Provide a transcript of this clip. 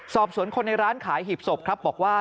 สอบสวนคนในร้านขายหีบศพครับบอกว่า